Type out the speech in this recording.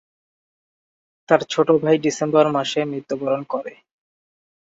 তার ছোট ভাই ডিসেম্বর মাসে মৃত্যুবরণ করে।